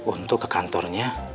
untuk ke kantornya